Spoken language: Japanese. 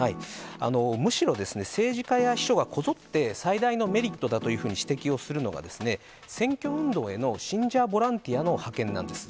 むしろ、政治家や秘書がこぞって最大のメリットだというふうに指摘をするのが、選挙運動への信者ボランティアの派遣なんです。